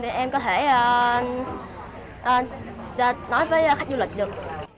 em có thể nói với khách du lịch được